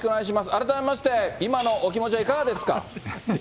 改めまして、今のお気持ちはいかがですか？